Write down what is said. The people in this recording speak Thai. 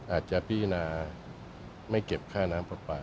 อาจจะพินาไม่เก็บค่าน้ำประปะ